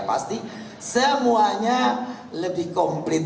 pasti semuanya lebih komplit